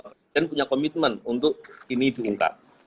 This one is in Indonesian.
presiden punya komitmen untuk ini diungkap